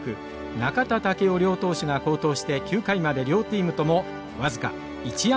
中田武雄両投手が好投して９回まで両チームとも僅か１安打無得点。